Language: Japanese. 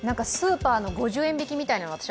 スーパーの５０円引きみたいなのｗ